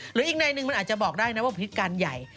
หรืออีกในหนึ่งมันอาจจะบอกได้นะว่าพิษการใหญ่